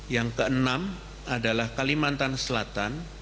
yang keenam adalah kalimantan selatan